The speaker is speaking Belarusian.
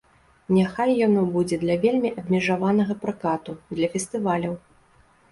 Няхай яно будзе для вельмі абмежаванага пракату, для фестываляў.